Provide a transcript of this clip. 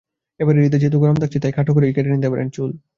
এবারের ঈদে যেহেতু গরম থাকছে, তাই খাটো করেই কেটে নিতে পারেন চুল।